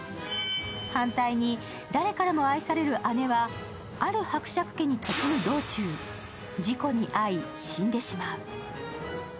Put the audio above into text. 反対に誰からも愛される姉は、ある伯爵家に嫁ぐ道中、事故に遭い死んでしまう。